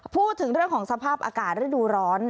พูดถึงเรื่องของสภาพอากาศฤดูร้อน